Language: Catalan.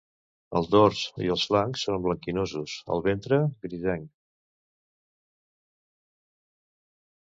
El dors i els flancs són blanquinosos; el ventre, grisenc.